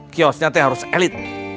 kiosnya itu harus elit